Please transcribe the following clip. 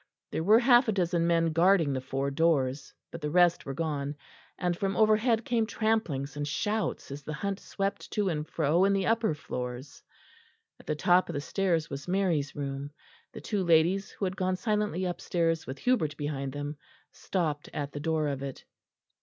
There were half a dozen men guarding the four doors; but the rest were gone; and from overhead came tramplings and shouts as the hunt swept to and fro in the upper floors. At the top of the stairs was Mary's room; the two ladies, who had gone silently upstairs with Hubert behind them, stopped at the door of it.